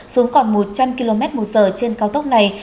xuống còn một trăm linh kmh trên cao tốc này